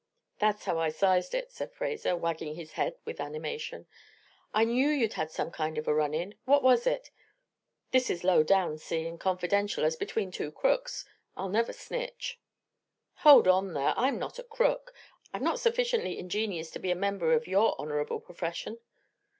"That's how I sized it," said Fraser, wagging his head with animation, "I knew you'd had some kind of a run in. What was it? This is low down, see, and confidential, as between two crooks. I'll never snitch." "Hold on there! I'm not a crook. I'm not sufficiently ingenious to be a member of your honorable profession."